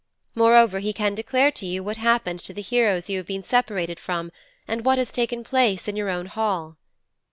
Moreover, he can declare to you what happened to the heroes you have been separated from, and what has taken place in your own hall."